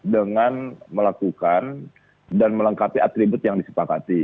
dengan melakukan dan melengkapi atribut yang disepakati